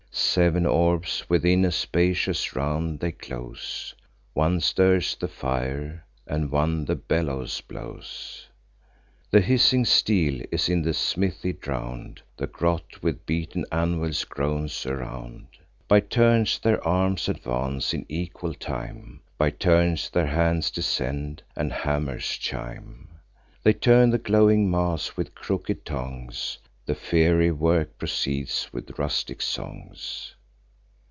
Sev'n orbs within a spacious round they close: One stirs the fire, and one the bellows blows. The hissing steel is in the smithy drown'd; The grot with beaten anvils groans around. By turns their arms advance, in equal time; By turns their hands descend, and hammers chime. They turn the glowing mass with crooked tongs; The fiery work proceeds, with rustic songs.